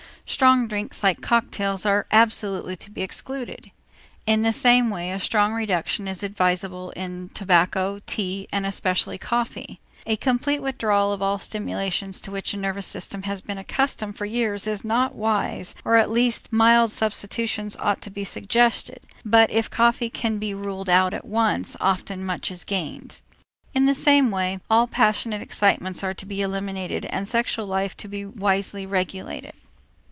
Strong drinks like cocktails are absolutely to be excluded. In the same way a strong reduction is advisable in tobacco, tea, and especially coffee. A complete withdrawal of all stimulations to which a nervous system has been accustomed for years is not wise, or at least mild substitutes ought to be suggested, but if coffee can be ruled out at once, often much is gained. In the same way all passionate excitements are to be eliminated and sexual life to be wisely regulated.